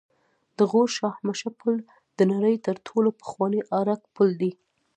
د غور شاهمشه پل د نړۍ تر ټولو پخوانی آرک پل دی